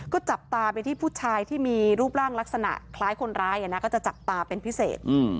ก็จับตาไปที่ผู้ชายที่มีรูปร่างลักษณะคล้ายคนร้ายก็จะจับตาเป็นพิเศษ